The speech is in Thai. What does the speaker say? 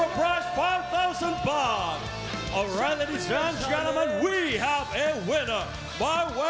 ครับ